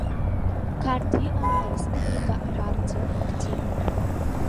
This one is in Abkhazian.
Қарҭ иҟан ареспублика апартиатә актив.